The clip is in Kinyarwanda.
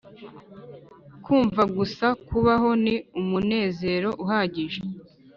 kumva gusa kubaho ni umunezero uhagije.